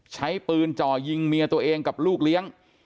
ใช้ปืนจ่อยิงเมียตัวเองกับลูกเลี้ยง